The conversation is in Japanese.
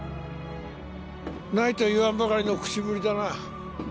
ないと言わんばかりの口ぶりだな